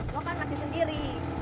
gue kan masih sendiri